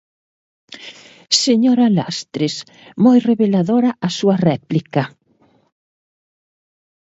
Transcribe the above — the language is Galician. Señora Lastres, moi reveladora a súa réplica.